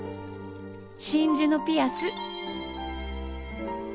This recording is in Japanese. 真珠のピアス。